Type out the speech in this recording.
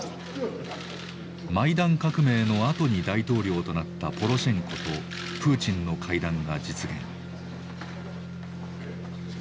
マイダン革命のあとに大統領となったポロシェンコとプーチンの会談が実現。